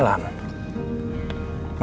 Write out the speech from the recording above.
lo kan gak mungkin jalan